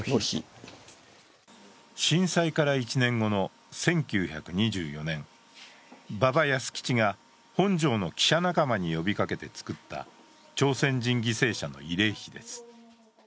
震災から１年後の１９２４年、馬場安吉が本庄の記者仲間に呼びかけて造った朝鮮人犠牲者の慰霊碑です。